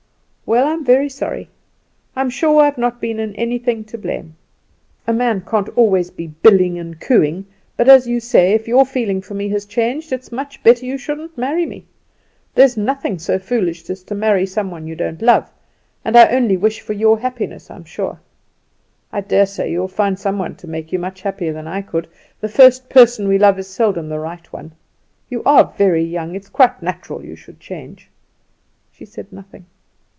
"Well, I'm very sorry. I'm sure I've not been in anything to blame. A man can't always be billing and cooing; but, as you say, if your feeling for me has changed, it's much better you shouldn't marry me. There's nothing so foolish as to marry some one you don't love; and I only wish for your happiness, I'm sure. I daresay you'll find some one can make you much happier than I could; the first person we love is seldom the right one. You are very young; it's quite natural you should change." She said nothing.